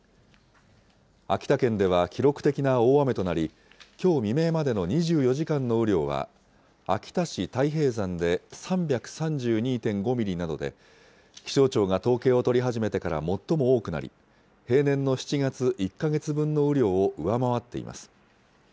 秋田県では記録的な大雨となり、きょう未明までの２４時間の雨量は、秋田市太平山で３３２．５ミリなどで、気象庁が統計を取り始めてから最も多くなり、平年の７月１か月分の雨量を上回っています。